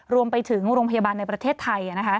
รวมไปถึงโรงพยาบาลในประเทศไทย